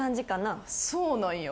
そうなんや。